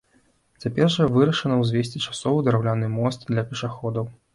Цяпер жа вырашана ўзвесці часовы драўляны мост для пешаходаў.